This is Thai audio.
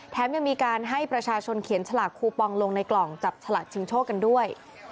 ยังมีการให้ประชาชนเขียนฉลากคูปองลงในกล่องจับฉลากชิงโชคกันด้วย